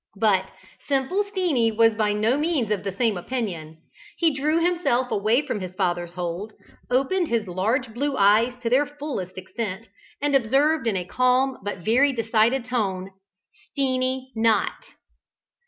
But "Simple Steenie" was by no means of the same opinion. He drew himself away from his father's hold, opened his large blue eyes to their fullest extent, and observed in a calm but very decided tone. "Steenie not."